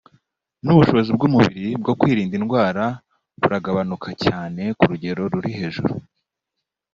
n’ubushobozi bw’umubiri bwo kwirinda indwara buragabanuka cyane ku rugero ruri hejuru